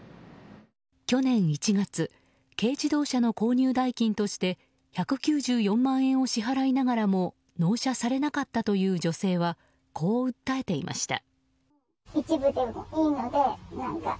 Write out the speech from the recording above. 去年１月軽自動車の購入代金として１９４万円を支払いながらも納車されなかったという女性はこう訴えていました。